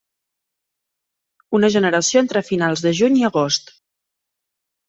Una generació entre finals de juny i agost.